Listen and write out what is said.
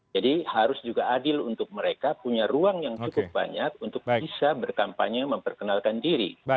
jadi harus juga adil untuk mereka punya ruang yang cukup banyak untuk bisa berkampanye memperkenalkan diri